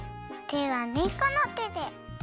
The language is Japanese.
てはねこのてで。